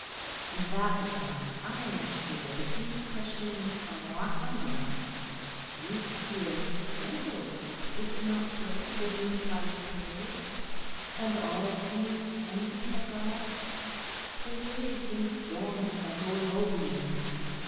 And that is why I am sure that these questionings are not from God. You feel stifled, is it not so, when you try to pray? and all seems empty of God; the waves and storms are going over you.